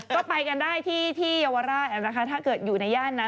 ก็ไปกันได้ที่เยาวราชนะคะถ้าเกิดอยู่ในย่านนั้น